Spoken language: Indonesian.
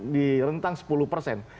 di rentang sepuluh persen